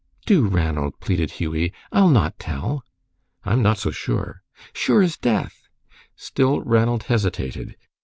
"Do, Ranald," pleaded Hughie. "I'll not tell." "I am not so sure." "Sure as death!" Still Ranald hesitated.